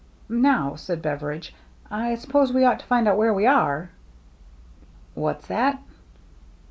" Now," began Beveridge, " I suppose we ought to find out where we are." "What's that?"